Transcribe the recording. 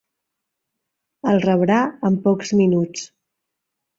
El rebrà en pocs minuts.